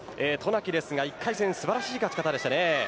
渡名喜ですが１回戦、素晴らしい勝ち方でしたね。